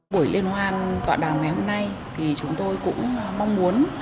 buổi liên hoan tọa đàm ngày hôm nay thì chúng tôi cũng mong muốn